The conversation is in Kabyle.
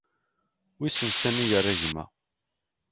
Wissen sani yerra gma.